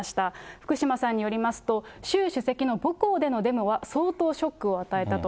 福島さんによりますと、習主席の母校でのデモは相当ショックを与えたと。